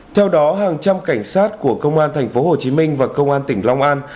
theo đó hàng trăm cảnh sát của công an tp hcm và công an tỉnh long an